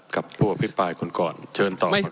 กับพวกพี่ปลายคนก่อนเชิญต่อ